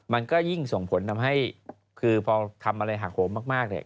มันก็ยิ่งส่งผลทำให้คือพอทำอะไรหักโหมมากเนี่ย